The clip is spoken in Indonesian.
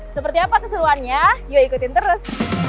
seperti apa keseruannya yuk ikutin terus